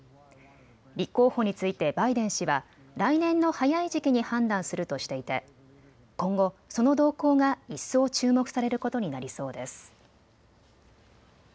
立候補についてバイデン氏は来年の早い時期に判断するとしていて今後、その動向が一層注目されることになりそうです。